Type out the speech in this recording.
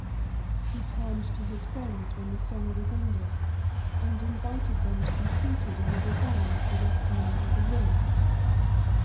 He turned to his friends when the song was ended, and invited them to be seated on the divan at the western end of the room.